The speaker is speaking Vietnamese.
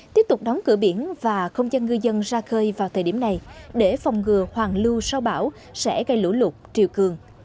tiếp tục đóng cửa biển và không cho ngư dân ra khơi vào thời điểm này để phòng ngừa hoàn lưu sau bão sẽ gây lũ lụt triều cường